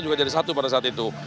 jadi satu pada saat itu